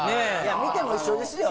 見ても一緒ですよ。